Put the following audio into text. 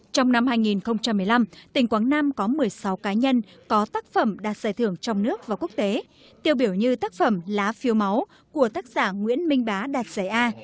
trong năm hai nghìn một mươi năm tỉnh quảng nam có một mươi sáu cá nhân có tác phẩm đạt giải thưởng trong nước và quốc tế tiêu biểu như tác phẩm lá phiêu máu của tác giả nguyễn minh bá đạt giải a